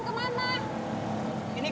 balik ke rumah sakit aja